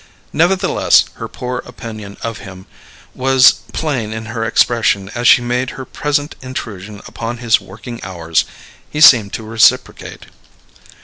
Nevertheless, her poor opinion of him was plain in her expression as she made her present intrusion upon his working hours. He seemed to reciprocate.